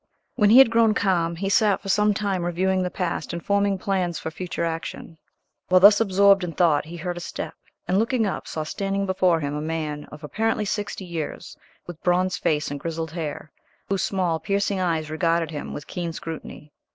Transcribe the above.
When he had grown calm he sat for some time reviewing the past and forming plans for future action. While thus absorbed in thought he heard a step, and, looking up, saw standing before him a man of apparently sixty years, with bronzed face and grizzled hair, whose small, piercing eyes regarded himself with keen scrutiny.